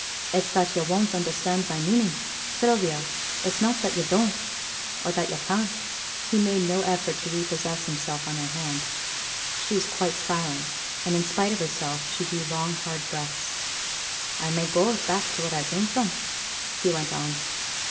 It's that yo' won't understand my meaning, Sylvia; it's not that yo' don't, or that yo' can't.' He made no effort to repossess himself of her hand. She was quite silent, but in spite of herself she drew long hard breaths. 'I may go back to where I came from,' he went on.